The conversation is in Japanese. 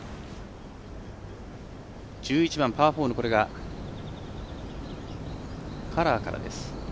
１１番、パー４のこれがカラーから。